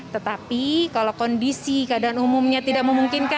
tetapi kalau kondisi keadaan umumnya tidak memungkinkan